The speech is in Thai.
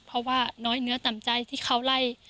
เพราะว่าน้อยเนื้อต่ำใจที่เขาไล่